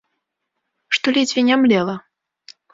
Што ледзьве не млела.